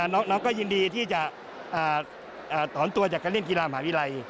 น้องก็ยินดีที่จะถอนตัวจากการเล่นกีฬามหาวิทยาลัย